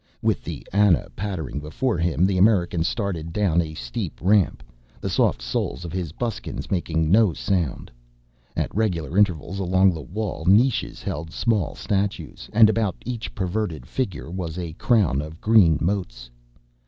With the Ana pattering before him, the American started down a steep ramp, the soft soles of his buskins making no sound. At regular intervals along the wall, niches held small statues. And about each perverted figure was a crown of green motes.